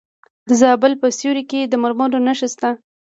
د زابل په سیوري کې د مرمرو نښې شته.